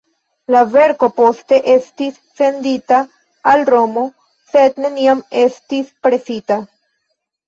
La verko poste estis sendita al Romo, sed neniam estis presita.